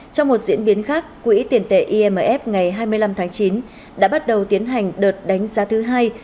trong một diễn biến khác quỹ tiền tệ imf ngày hai mươi năm tháng chín đã bắt đầu tiến hành đợt đánh giá thứ hai